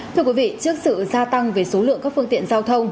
thưa quý vị trước sự gia tăng về số lượng các phương tiện giao thông